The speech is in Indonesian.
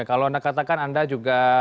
kalau anda katakan anda juga